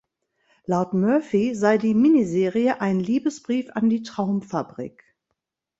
Laut Murphy sei die Miniserie ein Liebesbrief an die Traumfabrik.